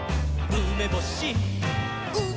「うめぼし！」